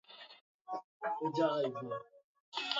Wale ni wengi